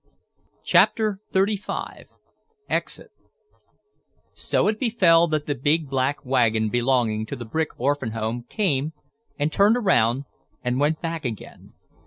CHAPTER XXXV EXIT So it befell that the big black wagon belonging to the brick orphan home came and turned around and went back again.